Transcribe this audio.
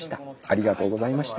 ありがとうございます。